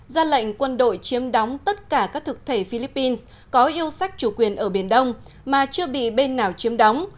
ra lệnh quân đội chiếm đóng tất cả các thực thể philippines có yêu sách chủ quyền ở biển đông mà chưa bị bên nào chiếm đóng